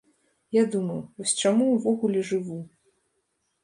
Я думаў, вось чаму ўвогуле жыву?